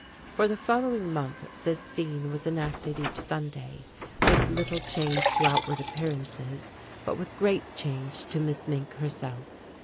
For the following month this scene was enacted each Sunday, with little change to outward appearances but with great change to Miss Mink herself.